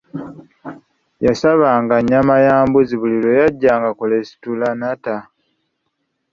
Yasabanga nnyama ya mbuzi buli lwe yajjanga ku lesitulanata.